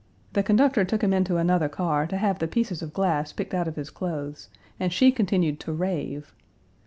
The conductor took him into another car to have the pieces of glass picked out of his clothes, and she continued to rave.